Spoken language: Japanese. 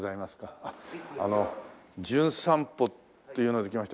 あの『じゅん散歩』というので来ました